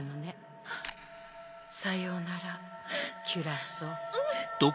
さようならキュラソー。